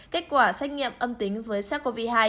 kết quả xét nghiệm âm tính với sars cov hai